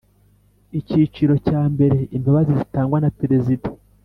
Icyiciro cya mbere Imbabazi zitangwa na perezida